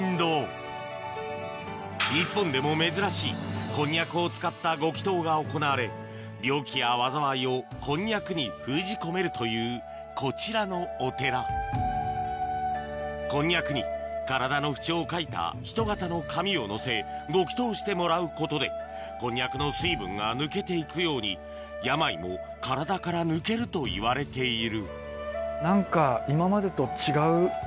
日本でも珍しいこんにゃくを使ったご祈祷が行われ病気や災いをこんにゃくに封じ込めるというこちらのお寺こんにゃくに体の不調を書いた人型の紙をのせご祈祷してもらうことでこんにゃくの水分が抜けて行くように病も体から抜けるといわれている何か今までと違う。